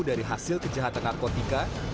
dari hasil kejahatan narkotika